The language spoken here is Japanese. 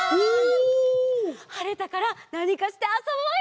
はれたからなにかしてあそぼうよ！